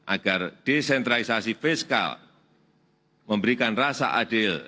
agar desentralisasi fiskal memberikan rasa adil